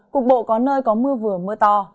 cục bộ có nơi có mưa vừa mưa to